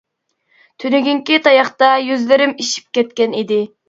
تۈنۈگۈنكى تاياقتا يۈزلىرىم ئىششىپ كەتكەن ئىدى.